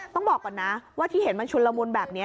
ต้องบอกก่อนนะว่าที่เห็นมันชุนละมุนแบบนี้